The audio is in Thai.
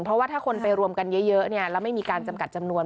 เพราะว่าถ้าคนไปรวมกันเยอะแล้วไม่มีการจำกัดจำนวน